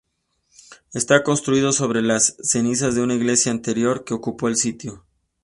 Está construido sobre las cenizas de una iglesia anterior, que ocupó el sitio.